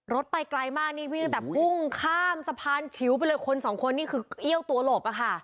ไปไกลมากนี่วิ่งตั้งแต่พุ่งข้ามสะพานชิวไปเลยคนสองคนนี่คือเอี้ยวตัวหลบอะค่ะ